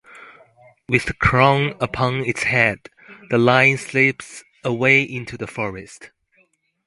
With the crown upon its head, the Lion slips away into the forest.